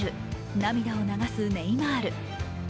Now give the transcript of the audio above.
涙を流すネイマール。